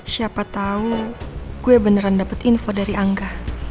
siapa tau gue beneran dapet info dari angga